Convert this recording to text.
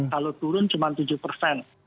kalau turun cuma tujuh persen